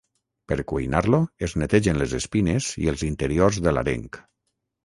Per cuinar-lo, es netegen les espines i els interiors de l'areng.